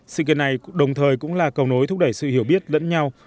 sự kiện này đồng thời cũng là cầu nối thúc đẩy sự hiểu biết lẫn nhau